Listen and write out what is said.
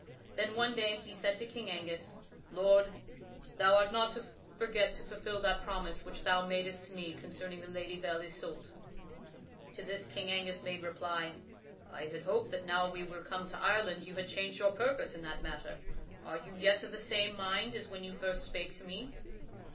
Then one day he said to King Angus: "Lord, thou art not to forget to fulfil that promise which thou madst to me concerning the Lady Belle Isoult." To this King Angus made reply: "I had hoped that now we were come to Ireland you had changed your purpose in that matter. Are you yet of the same mind as when you first spake to me?"